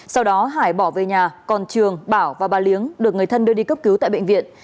sau đó hải bỏ về nhà còn trường bảo và bà liếng được người thân đưa đi cấp cứu tại bệnh viện